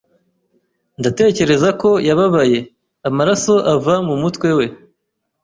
Ndatekereza ko yababaye. Amaraso ava mu mutwe we!